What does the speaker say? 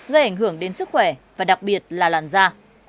gây ảnh hưởng đến sức khỏe và đặc biệt là làn da